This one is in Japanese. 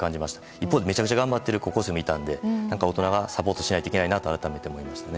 一方でめちゃくちゃ頑張っている高校生もいたので大人がサポートしないといけないなと思いましたね。